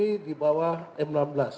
di bawah m enam belas